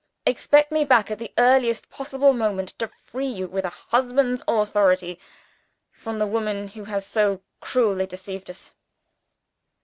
Expect me back at the earliest possible moment, to free you with a husband's authority from the woman who has so cruelly deceived us.